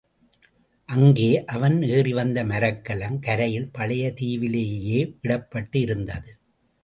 அங்கே அவன் ஏறிவந்த மரக்கலம் கரையில் பழைய தீவிலேயே விடப்பட்டு இருந்தது.